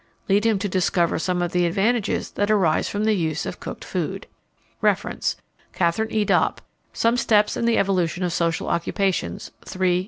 Lead him to discover some of the advantages that arise from the use of cooked food. Reference: Katharine E. Dopp, "Some Steps in the Evolution of Social Occupations," III., IV.